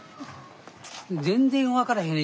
全然分からへん